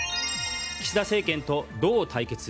岸田政権とどう対決？